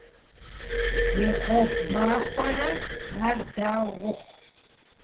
- Е гъуэгу махуэрэ! Ар дауэ ухъу?